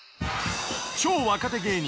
超若手芸人